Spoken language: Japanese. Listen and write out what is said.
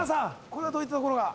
これはどういったところが？